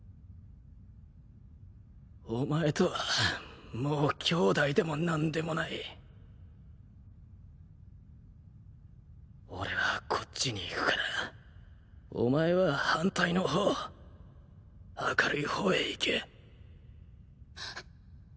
お前とはもうきょうだいでも何でもない。俺はこっちに行くからお前は反対の方明るい方へ行け。